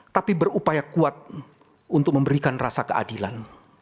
tapi berupaya kuat untuk memberikan rasa keadilan